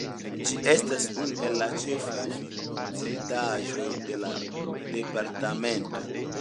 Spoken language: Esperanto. Ĝi estas unu el la ĉefaj vidindaĵoj de la departemento.